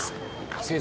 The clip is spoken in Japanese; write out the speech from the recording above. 先生？